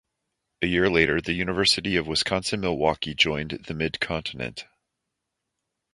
A year later, the University of Wisconsin-Milwaukee joined the Mid-Continent.